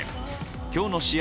今日の試合